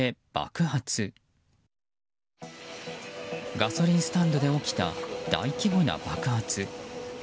ガソリンスタンドで起きた大規模な爆発。